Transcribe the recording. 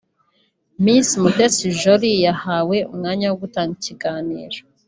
Miss Mutesi Jolly yahawe umwanya wo gutanga ikiganiro